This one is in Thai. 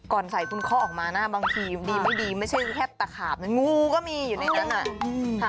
ใส่คุณเคาะออกมานะบางทีดีไม่ดีไม่ใช่แค่ตะขาบนะงูก็มีอยู่ในนั้นอ่ะ